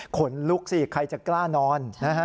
ขนลุกสิใครจะกล้านอน